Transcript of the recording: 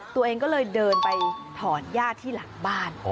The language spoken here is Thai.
ตัวเองก็เลยเดินไปถอนญาติที่หลังบ้าน